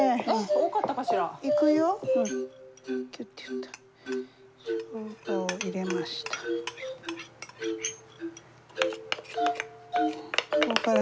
多かったかしら。